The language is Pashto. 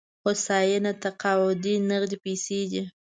هوساینه تقاعد نغدې پيسې دي.